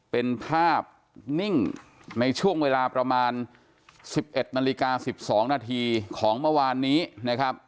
เป็นภาพนิ่งในช่วงเวลาประมาณ๑๑นาฬิกา๑๒นาทีของเมื่อวานนี้นะครับ